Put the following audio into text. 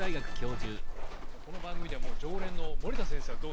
この番組ではもう常連の森田先生はどうですか？